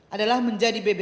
adalah menjadi bb satu